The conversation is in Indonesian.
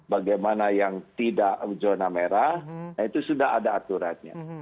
bagaimana yang tidak zona merah itu sudah ada aturannya